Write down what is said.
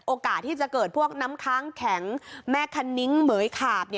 โอกาสที่จะเกิดพวกน้ำค้างแข็งแม่คันนิ้งเหมือยขาบ